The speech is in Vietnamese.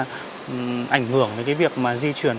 ảnh hưởng đến cái việc mà di chuyển